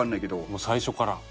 もう最初から。